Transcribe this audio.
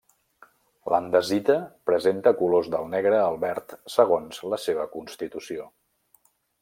L'andesita presenta colors del negre al verd segons la seva constitució.